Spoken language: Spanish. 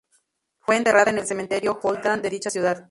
Fue enterrada en el Cementerio Woodlawn de dicha ciudad.